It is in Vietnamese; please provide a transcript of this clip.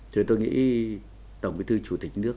thì tôi nghĩ tổng bí thư chủ tịch nước